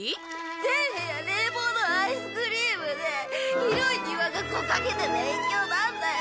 全部屋冷房のアイスクリームで広い庭が木陰で勉強なんだよ！